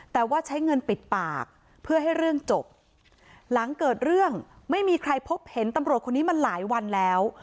แต่ว่าใช้เงินปิดปากเพื่อให้เรื่องจบหลังเกิดเรื่องไม่มีใครพบเห็นตำรวจคนนี้มาหลายวันแล้ว